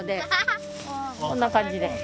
こんな感じです。